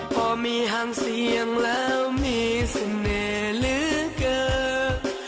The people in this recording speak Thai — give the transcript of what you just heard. พอมีห่างเสียงแล้วมีเสน่ห์เหลือเกิน